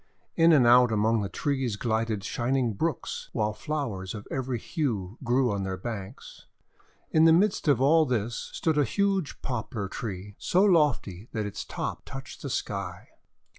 In and out among the trees glided shining brooks, while flowers of every hue grew on their banks. In the midst of all this stood a huge Poplar 324 THE WONDER GARDEN Tree so lofty that its top touched the sky.